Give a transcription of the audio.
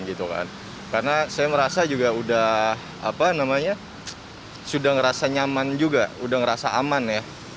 gitu kan karena saya merasa juga udah apa namanya sudah ngerasa nyaman juga udah ngerasa aman ya